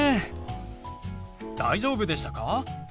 大丈夫でしたか？